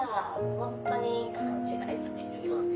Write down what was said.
本当に勘違いされるよね。